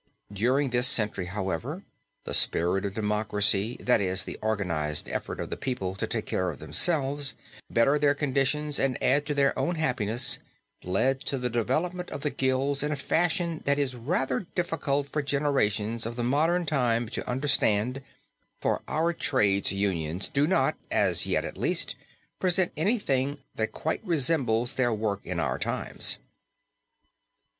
During this century, however, the spirit of democracy, that is the organized effort of the people to take care of themselves, better their conditions, and add to their own happiness, led to the development of the guilds in a fashion that it is rather difficult for generations of the modern time to understand, for our trades' unions do not, as yet at least, present anything that quite resembles their work in our times.